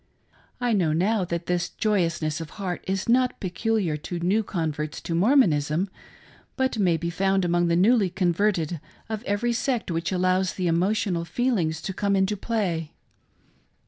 I know now that this joyousness of heart is not peculiar to new converts to Mormonism, but may be found among the newly converted of every sect which allows the emotional feelings to come into play.